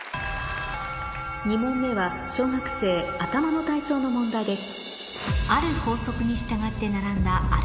２問目は小学生頭の体操の問題です